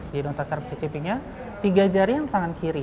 jadi untuk cari cicipinya tiga jari yang tangan kiri